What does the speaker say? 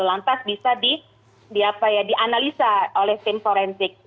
lantas bisa dianalisa oleh tim forensik